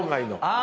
あ！